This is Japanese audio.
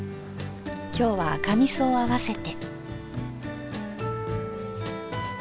今日は赤みそを合わせて。